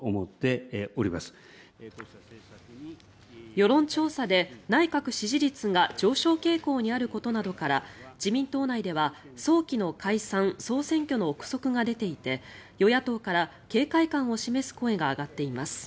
世論調査で内閣支持率が上昇傾向にあることなどから自民党内では早期の解散・総選挙の臆測が出ていて与野党から警戒感を示す声が上がっています。